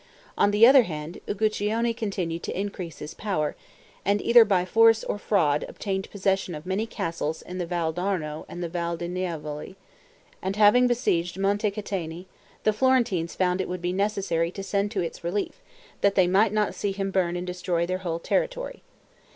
On the other hand, Uguccione continued to increase his power; and either by force or fraud obtained possession of many castles in the Val d'Arno and the Val di Nievole; and having besieged Monte Cataini, the Florentines found it would be necessary to send to its relief, that they might not see him burn and destroy their whole territory.